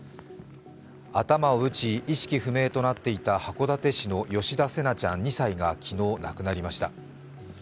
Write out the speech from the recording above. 頭を打ち意識不明となっていた函館市の吉田成那ちゃん２歳が昨日亡くなりました。